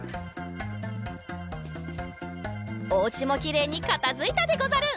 おうちもきれいにかたづいたでござる。